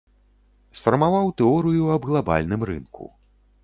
Сфармаваў тэорыю аб глабальным рынку.